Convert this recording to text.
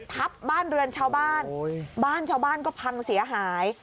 ทับบ้านเรือนชาวบ้านบ้านชาวบ้านชาวบ้านก็พังเสียหาย